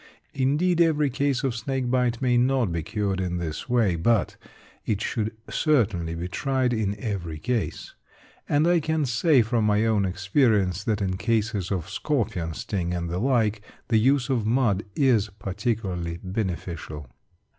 Indeed, every case of snake bite may not be cured in this way; but it should certainly be tried in every case. And I can say from my own experience that, in cases of scorpion sting and the like, the use of mud is particularly beneficial.